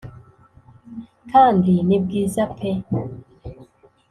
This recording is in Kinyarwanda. Kandi ni bwiza pe